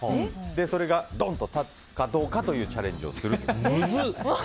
それがドンと立つかどうかというチャレンジをするという。